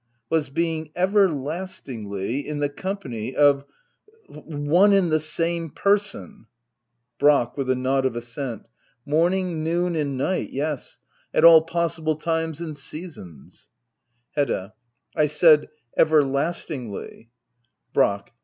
^was being everlastingly m the company of — one and the same person Brack. [With a nod oj assent.'] Morning, noon, and night, yes — at all possible times and seasons. Hedda. I said " everlastingly." Brack.